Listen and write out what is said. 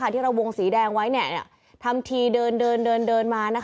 ที่เราวงสีแดงไว้ทำทีเดินมา